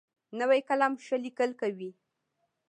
نوی قلم ښه لیکل کوي